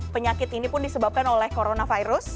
penyakit ini pun disebabkan oleh coronavirus